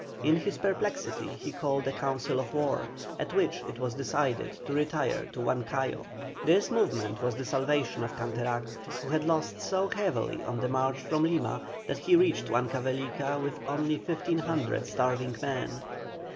In his perplexity he called a council of war, at which it was decided to retire to Huancayo. This movement was the salvation of Canterac, who had lost so heavily on the march from Lima, that he reached Huancavelica with only 1,500 starving men.